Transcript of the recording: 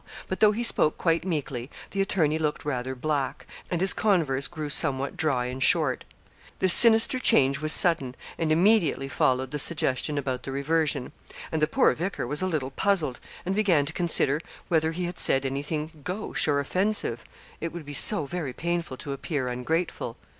But though he spoke quite meekly, the attorney looked rather black, and his converse grew somewhat dry and short. This sinister change was sudden, and immediately followed the suggestion about the reversion; and the poor vicar was a little puzzled, and began to consider whether he had said anything gauche or offensive 'it would be so very painful to appear ungrateful.'